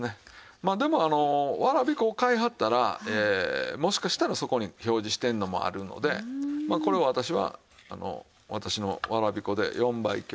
まあでもわらび粉を買いはったらもしかしたらそこに表示してるのもあるのでまあこれは私は私のわらび粉で４倍強。